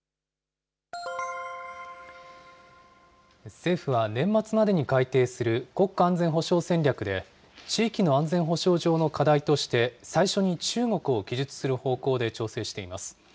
政府は、年末までに改定する国家安全保障戦略で、地域の安全保障上の課題として、最初に中国を記述する方向で調整しています。